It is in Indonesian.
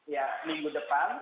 ya minggu depan